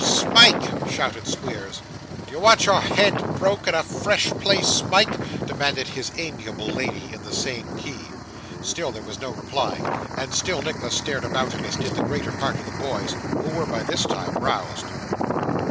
'Smike!' shouted Squeers. 'Do you want your head broke in a fresh place, Smike?' demanded his amiable lady in the same key. Still there was no reply, and still Nicholas stared about him, as did the greater part of the boys, who were by this time roused.